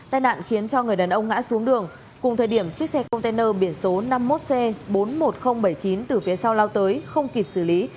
tai nạn khiến cho người đàn ông ngã xuống đường cùng thời điểm chiếc xe container biển số năm mươi một c bốn mươi một nghìn bảy mươi chín từ phía sau lao tới không kịp xử lý